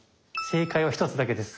正解は一つだけです。